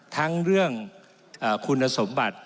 ทั้งเรื่องคุณสมบัติ